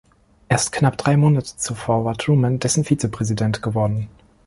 Erst knapp drei Monate zuvor war Truman dessen Vizepräsident geworden.